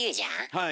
はい。